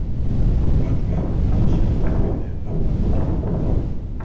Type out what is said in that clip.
Watu wako wakishaona bendera, wanatoweka.